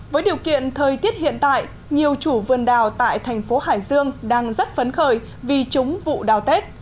với điều kiện thời tiết hiện tại nhiều chủ vườn đào tại thành phố hải dương đang rất phấn khởi vì trúng vụ đào tết